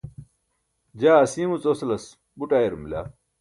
jaa asiimuc osalas buṭ ayarum bila